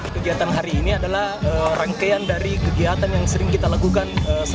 kegiatan hari ini adalah rangkaian dari kegiatan yang sering kita lakukan